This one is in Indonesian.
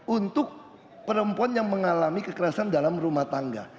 untuk perempuan yang mengalami kekerasan dalam rumah tangga